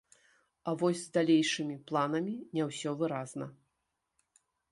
А вось з далейшымі планамі не ўсё выразна.